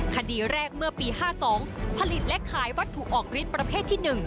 คดีแรกเมื่อปี๕๒ผลิตและขายวัตถุออกฤทธิประเภทที่๑